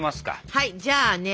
はいじゃあね